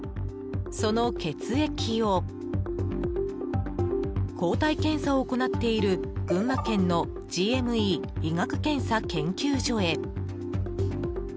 その血液を抗体検査を行っている群馬県のＧＭＥ医学検査研究所へ。